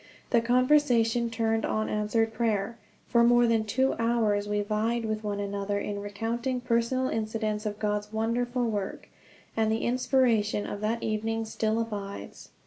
The conversation turned on answered prayer. For more than two hours we vied with one another in recounting personal incidents of God's wonderful work; and the inspiration of that evening still abides.